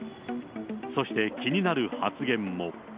そして気になる発言も。